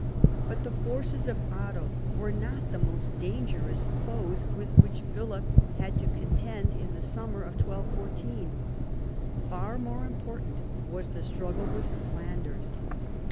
But the forces of Otto were not the most dangerous foes with whom Philip had to contend in the summer of 1214. Far more important was the struggle with Flanders.